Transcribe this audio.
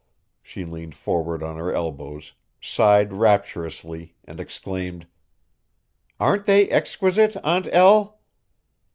She leaned forward on her elbows, sighed rapturously and exclaimed: "Aren't they exquisite, Aunt El!"